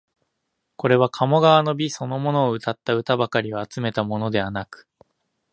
これは鴨川の美そのものをうたった歌ばかりを集めたものではなく、